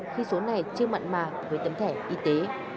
khi số này chưa mặn mà với tấm thẻ y tế